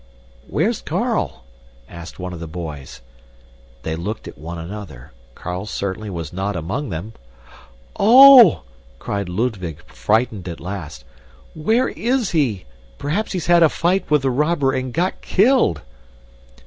"Where is Carl?" asked one of the boys. They looked at one another. Carl certainly was not among them. "Oh!" cried Ludwig, frightened at last. "Where is he? Perhaps he's had a fight with the robber and got killed."